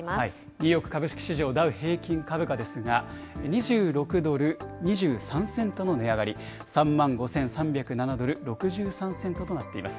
ニューヨーク株式市場、ダウ平均株価ですが、２６ドル２３セントの値上がり、３万５３０７ドル６３セントとなっています。